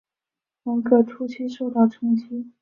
文革初期受到冲击。